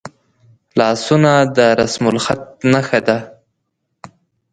لاسونه د رسمالخط نښه ده